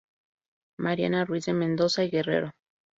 Mariana Ruiz de Mendoza y Guerrero.